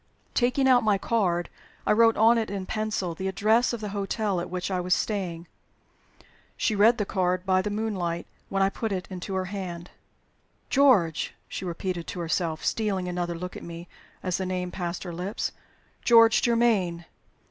Taking out my card, I wrote on it in pencil the address of the hotel at which I was staying. She read the card by the moonlight when I put it into her hand. "George!" she repeated to herself, stealing another look at me as the name passed her lips. "'George Germaine.'